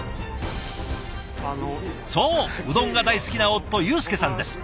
そううどんが大好きな夫祐扶さんです。